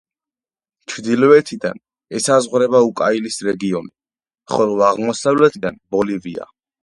ჩრდილოეთიდან ესაზღვრება უკაიალის რეგიონი, ხოლო აღმოსავლეთიდან ბოლივია.